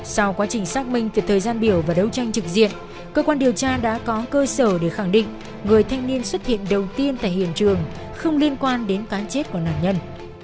sau quá trình xác minh từ thời gian biểu và đấu tranh trực diện cơ quan điều tra đã có cơ sở để khẳng định người thanh niên xuất hiện đầu tiên tại hiện trường không liên quan đến cán chết của nạn nhân